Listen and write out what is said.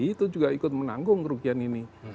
itu juga ikut menanggung kerugian ini